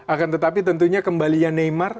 akan tetapi tentunya kembalinya neymar